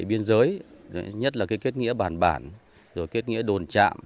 biên giới nhất là kết nghĩa bản bản rồi kết nghĩa đồn trạm